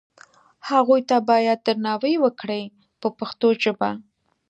هغو ته باید درناوی وکړي په پښتو ژبه.